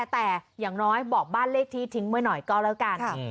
แต่อย่างน้อยบอกบ้านเลขที่ทิ้งไว้หน่อยก็แล้วกัน